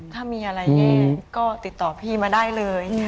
ถ้ามีอะไรแง่ก็ติดต่อพี่มาได้เลย